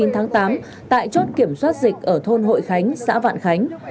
chín tháng tám tại chốt kiểm soát dịch ở thôn hội khánh xã vạn khánh